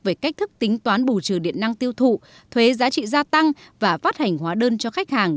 về cách thức tính toán bù trừ điện năng tiêu thụ thuế giá trị gia tăng và phát hành hóa đơn cho khách hàng